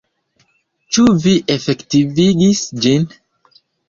Ĉu vi efektivigis ĝin?